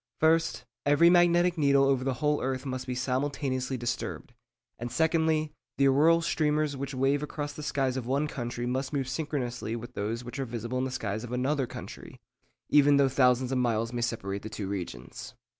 First, every magnetic needle over the whole earth must be simultaneously disturbed; and secondly, the auroral streamers which wave across the skies of one country must move synchronously with those which are visible in the skies of another country, even though thousands of miles may separate the two regions.